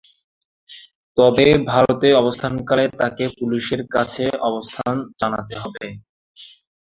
তবে, ভারতে অবস্থানকালে তাকে পুলিশের কাছে তার অবস্থান জানাতে হবে।